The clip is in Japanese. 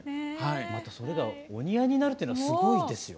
またそれがお似合いになるっていうのはすごいですよ。